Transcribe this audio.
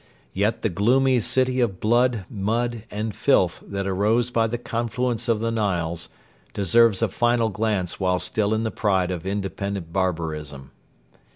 Yet the gloomy city of blood, mud, and filth that arose by the confluence of the Niles deserves a final glance while still in the pride of independent barbarism.